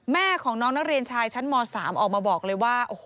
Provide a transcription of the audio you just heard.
แม่ของน้องนักเรียนชายชั้นม๓ออกมาบอกเลยว่า